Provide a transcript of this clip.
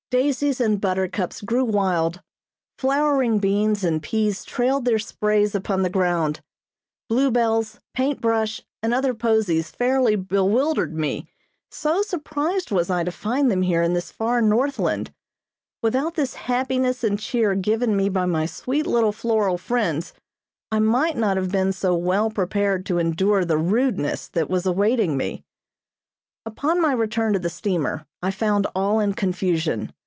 Daisies and buttercups grew wild. Flowering beans and peas trailed their sprays upon the ground. Blue bells, paint brush, and other posies fairly bewildered me, so surprised was I to find them here in this far Northland. Without this happiness and cheer given me by my sweet little floral friends I might not have been so well prepared to endure the rudeness that was awaiting me. Upon my return to the steamer I found all in confusion.